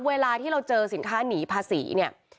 เวลาที่เราเจอสินค้าหนีภาษีเนี่ย